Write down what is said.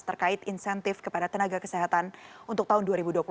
terkait insentif kepada tenaga kesehatan untuk tahun dua ribu dua puluh satu